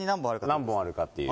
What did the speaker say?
何本あるかっていう。